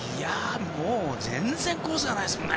もう全然コースがないですからね。